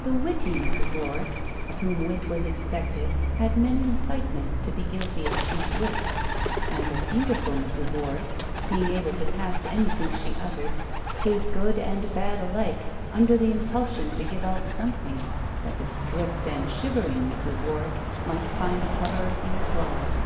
The witty Mrs. Warwick, of whom wit was expected, had many incitements to be guilty of cheap wit; and the beautiful Mrs. Warwick, being able to pass anything she uttered, gave good and bad alike, under the impulsion to give out something, that the stripped and shivering Mrs. Warwick might find a cover in applause.